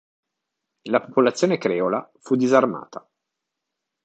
La popolazione creola fu disarmata.